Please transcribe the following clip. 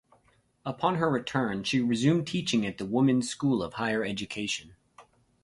Upon her return, she resumed teaching at the women's school of higher education.